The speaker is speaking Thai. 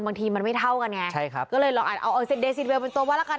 บางทีมันไม่เท่ากันไงใช่ครับก็เลยลองอาจเอาเออเดซิเวลเป็นตัวว่าละกัน